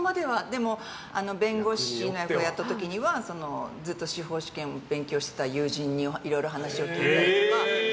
でも、弁護士の役やった時にはずっと司法試験を勉強してた友人にいろいろ話を聞いたりとか。